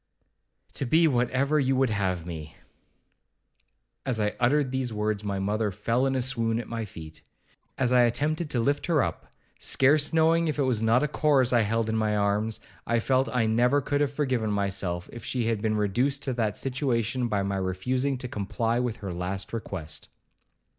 'To be whatever you would have me.' As I uttered these words, my mother fell in a swoon at my feet. As I attempted to lift her up, scarce knowing if it was not a corse I held in my arms, I felt I never could have forgiven myself if she had been reduced to that situation by my refusing to comply with her last request.